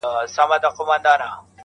والاشان او عالیشان دي مقامونه-